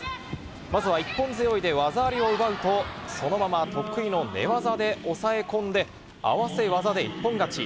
まずは一本背負いで技ありを奪うと、そのまま得意の寝技で押さえ込んで、合わせ技で一本勝ち。